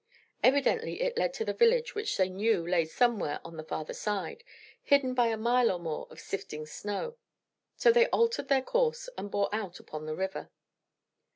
Evidently it led to the village which they knew lay somewhere on the farther side, hidden by a mile or more of sifting snow, so they altered their course and bore out upon the river.